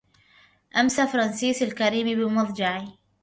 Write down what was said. أمسى فرنسيس الكريم بمضجع